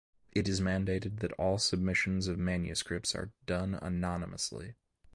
It is mandated that all submissions of manuscripts are done anonymously.